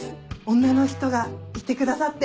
女の人がいてくださって。